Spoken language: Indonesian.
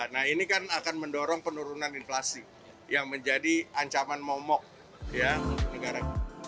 nah ini kan akan mendorong penurunan inflasi yang menjadi ancaman momok ya untuk negara kita